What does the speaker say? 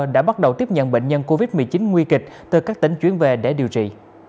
đã bắt đầu tiếp nhận bệnh nhân covid một mươi chín nguy kịch từ các tỉnh chuyển về để điều trị